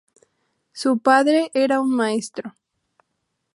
Su padre era un maestro.